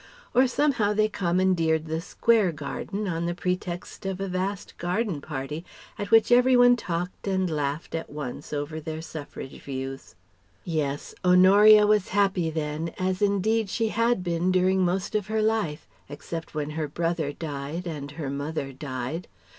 Or somehow they commandeered the Square Garden on the pretext of a vast Garden Party, at which every one talked and laughed at once over their Suffrage views. Yes: Honoria was happy then, as indeed she had been during most of her life, except when her brother died and her mother died.